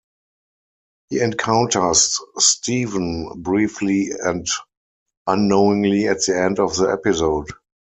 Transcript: He encounters Stephen briefly and unknowingly at the end of the episode.